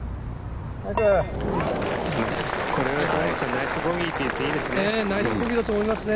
ナイスボギーって言っていいですね。